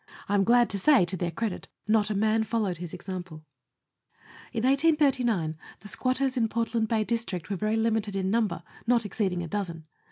I am glad to say, to their credit, not a man followed his example. In 1839 the squatters in Portland Bay District were very limited in number, not exceeding a dozen.